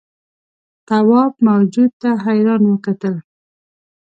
تواب موجود ته حیران وکتل.